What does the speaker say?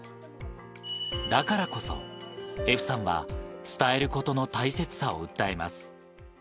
だからこそ、笑歩さんは伝えることの大切さを訴えます。